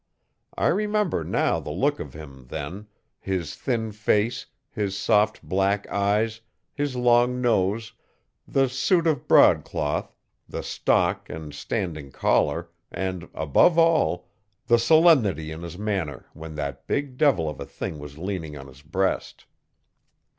I remember now the look of him, then his thin face, his soft black eyes, his long nose, the suit of broadcloth, the stock and standing collar and, above all, the solemnity in his manner when that big devil of a thing was leaning on his breast.